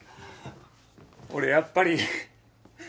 俺やっぱり。